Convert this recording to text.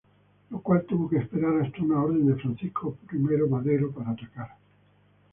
Lo cual tuvo que esperar hasta una orden de Francisco I. Madero para atacar.